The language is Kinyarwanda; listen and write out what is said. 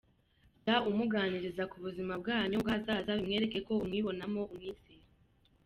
Jya umuganiriza ku buzima bwanyu bw’ahazaza bimwereke ko umwibonamo, umwizera.